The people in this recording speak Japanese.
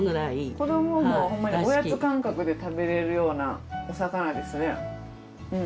子どもはもうほんまにおやつ感覚で食べられるようなお魚ですね。